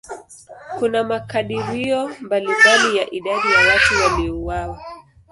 Kuna makadirio mbalimbali ya idadi ya watu waliouawa.